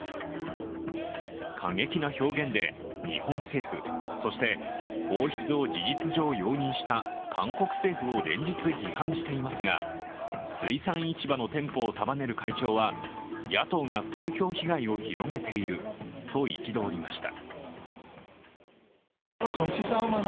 過激な表現で日本政府、そして放出を事実上容認した韓国政府を連日、批判していますが水産市場の店舗を束ねる会長は野党が風評被害を広げていると憤りました。